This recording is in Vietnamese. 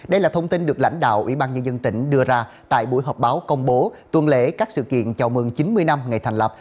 đây là thông tin được lãnh đạo ubnd tỉnh đưa ra tại buổi họp báo công bố tuần lễ các sự kiện chào mừng chín mươi năm ngày thành lập